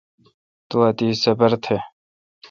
تو اتیش صبر تہ۔